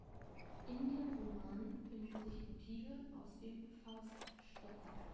In dem Roman finden sich Motive aus dem Fauststoff.